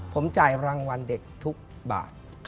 ผมจ่ายรางวัลเด็กทุกบาท